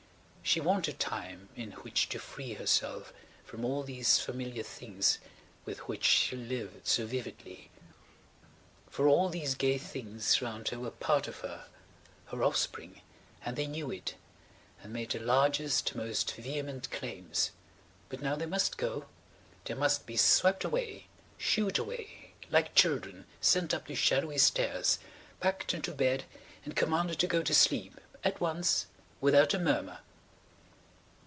She wanted time in which to free herself from all these familiar things with which she lived so vividly. For all these gay things round her were part of her–her offspring–and they knew it and made the largest, most vehement claims. But now they must go. They must be swept away, shooed away–like children, sent up the shadowy stairs, packed into bed, and commanded to go to sleep–at once–without a murmur!